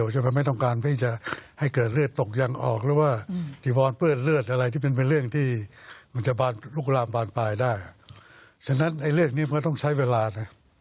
ฉะนั้นเรื่องนี้มันก็ต้องใช้เวลานั้น